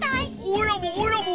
おいらもおいらも。